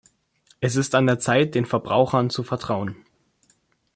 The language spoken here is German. Es ist an der Zeit, den Verbrauchern zu vertrauen.